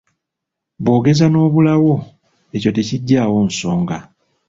"Bw'ogeza n’obulawo, ekyo tekiggyaawo nsonga."